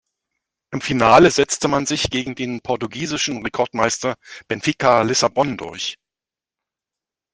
Im Finale setzte man sich gegen den portugiesischen Rekordmeister Benfica Lissabon durch.